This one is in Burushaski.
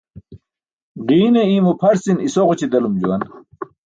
Ġiine iymo pʰarcin isoġuc̣i delum juwan.